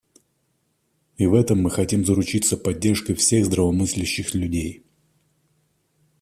И в этом мы хотим заручиться поддержкой всех здравомыслящих людей.